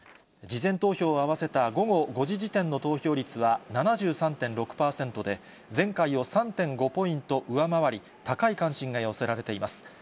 事前投票を合わせた午後５時時点の投票率は７３．６％で、前回を３．５ポイント上回り、高い関心が寄せられています。